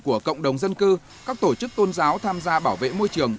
của cộng đồng dân cư các tổ chức tôn giáo tham gia bảo vệ môi trường